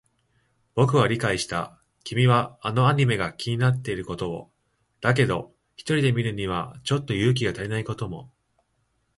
僕は理解した。君はあのアニメが気になっていることを。だけど、一人で見るにはちょっと勇気が足りないことも。